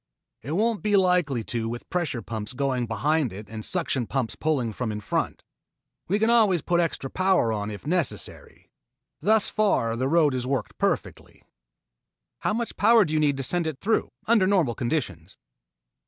"It won't be likely to with pressure pumps going behind it and suction pumps pulling from in front. We can always put extra power on if necessary. Thus far the road has worked perfectly." "How much power do you need to send it through, under normal conditions?"